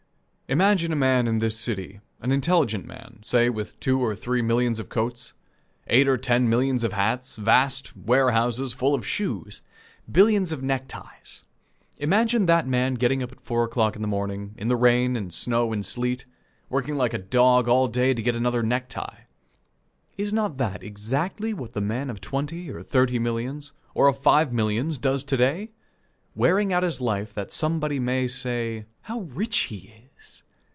Imagine a man in this city, an intelligent man, say with two or three millions of coats, eight or ten millions of hats, vast warehouses full of shoes, billions of neckties, and imagine that man getting up at four o'clock in the morning, in the rain and snow and sleet, working like a dog all day to get another necktie! Is not that exactly what the man of twenty or thirty millions, or of five millions, does to day? Wearing his life out that somebody may say, "How rich he is!"